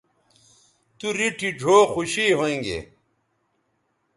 تو ریٹھی ڙھؤ خوشی ھویں گے